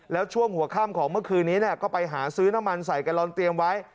แล้วช่วงหัวค่ำของเมื่อคืนนี้ก็ไปหาซื้อน้ำมันใส่กะลอนเตรียมไว้